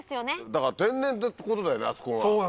だから天然ってことだよねあそこが。